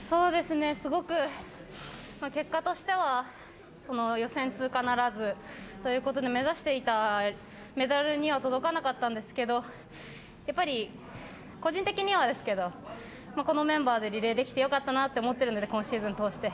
すごく結果としては予選通過ならずということで目指していたメダルには届かなかったんですけどやっぱり、個人的にはですけどこのメンバーでリレーできてよかったと思っているので今シーズンとおして。